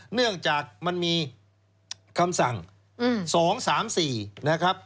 เนื่องจากมันมีคำสั่ง๒๓๔นะครับ